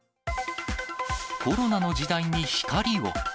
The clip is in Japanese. コロナの時代に光を。